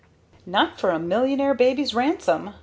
"Not for a millionaire baby's ransom!"